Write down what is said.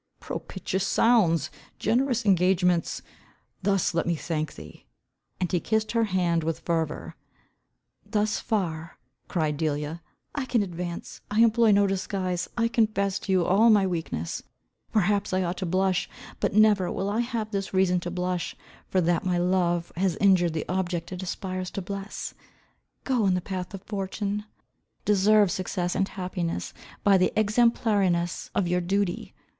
"Propitious sounds! Generous engagements! Thus let me thank thee." And he kissed her hand with fervour. "Thus far," cried Delia, "I can advance. I employ no disguise. I confess to you all my weakness. Perhaps I ought to blush. But never will I have this reason to blush, for that my love has injured the object it aspires to bless. Go in the path of fortune. Deserve success and happiness by the exemplariness of your duty.